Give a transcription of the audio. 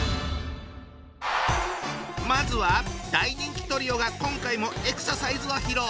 まずは大人気トリオが今回もエクササイズを披露。